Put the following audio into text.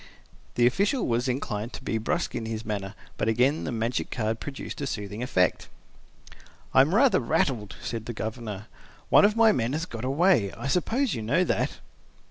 The official was inclined to be brusque in his manner, but again the magic card produced a soothing effect. "I am rather rattled," said the Governor. "One of my men has got away. I suppose you know that?"